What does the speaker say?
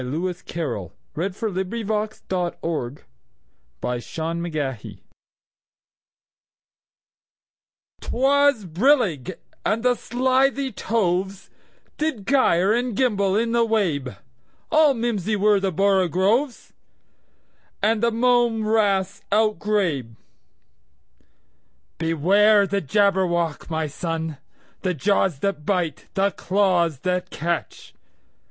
Lewis Carroll 1832–98 Jabberwocky CarrollL 'T WAS brillig, and the slithy tovesDid gyre and gimble in the wabe; All mimsy were the borogoves, And the mome raths outgrabe."Beware the Jabberwock, my son! The jaws that bite, the claws that catch!